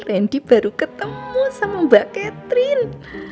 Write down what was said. randy baru ketemu sama mbak catherine